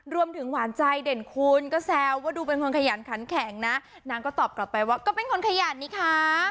หวานใจเด่นคูณก็แซวว่าดูเป็นคนขยันขันแข็งนะนางก็ตอบกลับไปว่าก็เป็นคนขยันนี่คะ